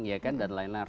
ya kan dan lain lain